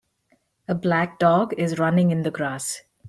A black dog is running in the grass.